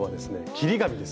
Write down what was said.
切り紙ですよ。